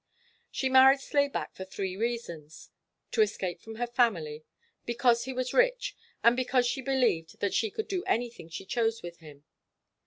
She married Slayback for three reasons, to escape from her family, because he was rich, and because she believed that she could do anything she chose with him.